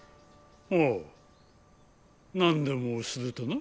ほう何でもするとな？